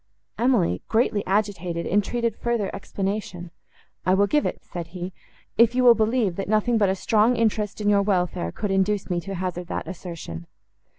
Emily, greatly agitated, entreated further explanation. "I will give it," said he, "if you will believe, that nothing but a strong interest in your welfare could induce me to hazard that assertion."